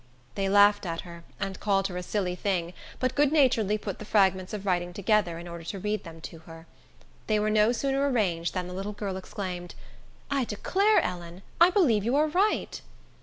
They laughed at her, and called her a silly thing, but good naturedly put the fragments of writing together, in order to read them to her. They were no sooner arranged, than the little girl exclaimed, "I declare, Ellen, I believe you are right."